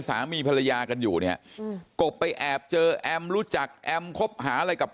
สามีภรรยากันอยู่เนี่ยกบไปแอบเจอแอมรู้จักแอมคบหาอะไรกับ